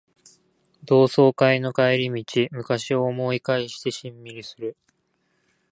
同窓会の帰り道、昔を思い返してしんみりする